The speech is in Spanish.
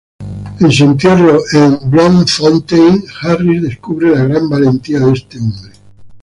En su entierro, en Bloemfontein, Harris descubre la gran valentía de este hombre.